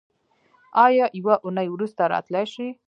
ایا یوه اونۍ وروسته راتلی شئ؟